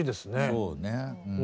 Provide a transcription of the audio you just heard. そうね。